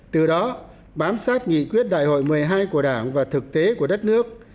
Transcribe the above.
từ đó bám sát nghị quyết đại hội một mươi hai của đảng và thực tế của đất nước